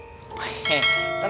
pokoknya kalau masalah sama